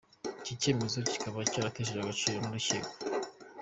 Iki cyemezo kikaba cyarateshejwe agaciro n’urukiko.